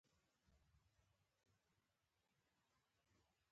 نیکه له لمسیانو سره خبرې کوي.